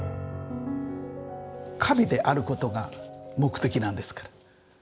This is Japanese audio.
華美であることが目的なんですから。